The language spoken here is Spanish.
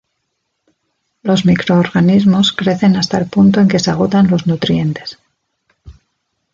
Los microorganismos crecen hasta el punto en que se agotan los nutrientes.